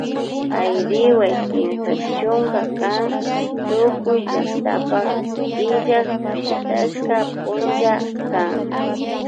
Ayriwa Kimsa chunka kan tukuy llaktapak illak shitashka punlla kan